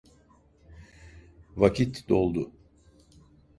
Vakit doldu.